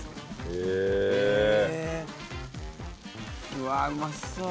うわうまそう。